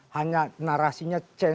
hanya narasinya berubah dan